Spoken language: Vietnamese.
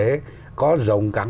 tính những thị trường khác